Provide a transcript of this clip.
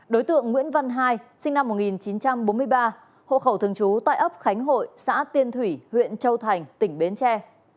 đối tượng nguyễn văn hai sinh năm một nghìn chín trăm bốn mươi ba hộ khẩu thường trú tại ấp khánh hội xã tiên thủy huyện châu thành tỉnh bến tre